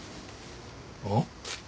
あっ？